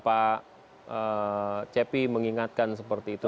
pak cepi mengingatkan seperti itu